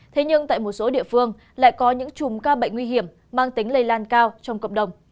thế nhưng tại một số địa phương lại có những chùm ca bệnh nguy hiểm mang tính lây lan cao trong cộng đồng